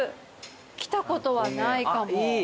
来たことはないかも。